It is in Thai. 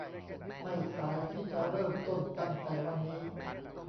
ไม่สายที่จะเริ่มต้นตั้งแต่วันนี้